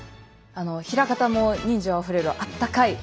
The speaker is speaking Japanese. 枚方も人情あふれるあったかい